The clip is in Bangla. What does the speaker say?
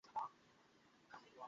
নীরবে কাটে তার অধিকাংশ সময়।